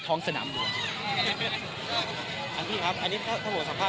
ท้องสนามหลวง